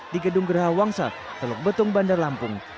di gedung geraha wangsa teluk betung bandar lampung